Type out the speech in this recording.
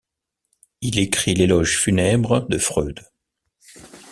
Il écrit l'éloge funèbre de Freud.